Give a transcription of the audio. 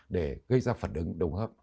để gây ra phản ứng đồng hợp